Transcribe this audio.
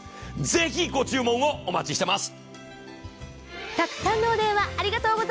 ぜひ、ご注文をお待ちしてます！